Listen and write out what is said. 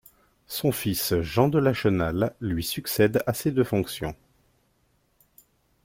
Son fils Jean Delachenal lui succède à ses deux fonctions.